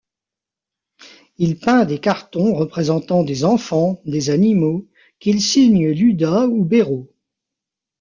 Il peint des cartons représentants des enfants, des animaux... qu'il signe Luda ou Béraud.